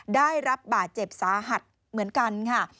ได้รับบาดเจ็บสาหัสเหมือนกันค่ะ